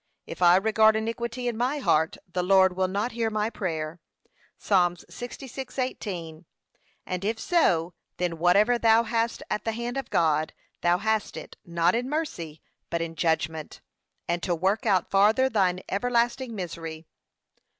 'If I regard iniquity in my heart, the Lord will not hear' my prayer. (Psa. 66:18) And if so, then whatever thou hast at the hand of God, thou hast it, not in mercy, but in judgment, and to work out farther thine everlasting misery.